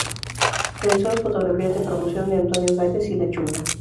Realizó las fotografías de promoción de Antonio Gades y La Chunga.